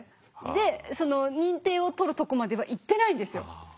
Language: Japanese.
でその認定を取るとこまではいってないんですよ。